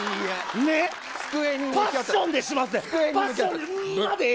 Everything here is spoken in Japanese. パッションでしますねん。